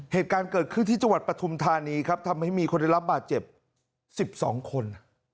เหตุการณ์เกิดขึ้นที่จังหวัดปฐุมธานีครับทำให้มีคนได้รับบาดเจ็บ๑๒คน